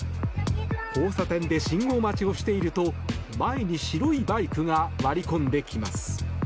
交差点で信号待ちをしていると前に白いバイクが割り込んできます。